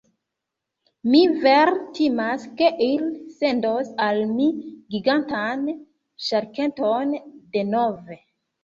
Mi vere timas ke ili sendos al mi gigantan ŝarketon denove.